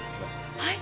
はい。